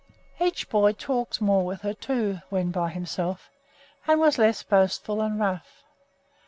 Each boy talked more with her, too, when by himself, and was less boastful and rough.